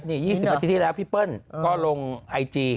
นี่๒๐นาทีที่แล้วพี่เปิ้ลก็ลงไอจี